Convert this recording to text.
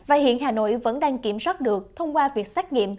và hiện hà nội vẫn đang kiểm soát được thông qua việc xét nghiệm